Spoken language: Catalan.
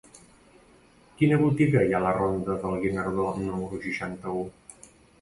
Quina botiga hi ha a la ronda del Guinardó número seixanta-u?